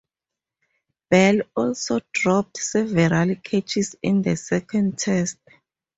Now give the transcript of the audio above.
Bell also dropped several catches in the second Test.